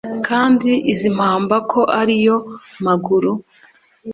Kandi izi mpamba ko ari yo maguru